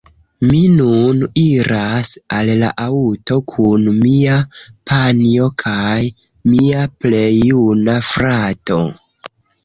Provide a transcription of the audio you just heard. Mi nun iras al la aŭto kun mia panjo kaj mia plej juna frato